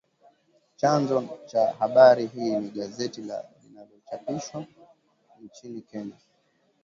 Chanzo cha habari hii ni gazeti la linalochapishwa nchini Kenya